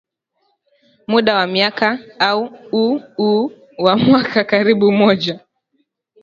muda wa miaka au uu uu wa mwaka karibu mmoja